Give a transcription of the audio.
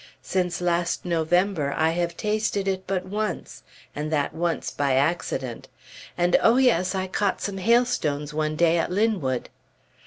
Since last November, I have tasted it but once, and that once by accident. And oh, yes! I caught some hail stones one day at Linwood!